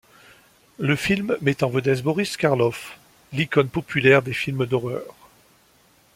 Le film met en vedette Boris Karloff, l'icône populaire des films d'horreur.